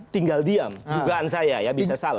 tinggal diam dugaan saya ya bisa salah